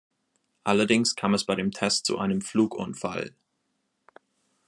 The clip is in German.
Allerdings kam es bei dem Test zu einem Flugunfall.